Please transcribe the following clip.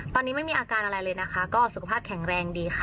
ตอนนี้ไม่มีอาการอะไรเลยนะคะก็สุขภาพแข็งแรงดีค่ะ